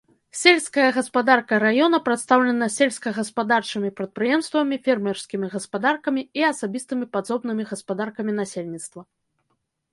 Сельская гаспадарка раёна прадстаўлена сельскагаспадарчымі прадпрыемствамі, фермерскімі гаспадаркамі і асабістымі падсобнымі гаспадаркамі насельніцтва.